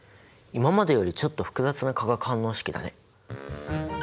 今までよりちょっと複雑な化学反応式だね。